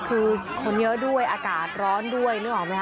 คือคนเยอะด้วยอากาศร้อนด้วยนึกออกไหมค